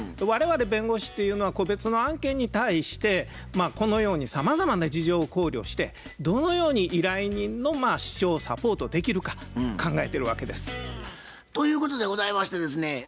我々弁護士というのは個別の案件に対してこのようにさまざまな事情を考慮してどのように依頼人の主張をサポートできるか考えてるわけです。ということでございましてですね